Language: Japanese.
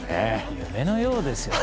夢のようですよね。